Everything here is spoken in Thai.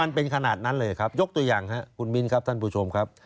มันเป็นขนาดนั้นเลยครับยกตัวอย่างครับคุณมิ้นครับท่านผู้ชมครับ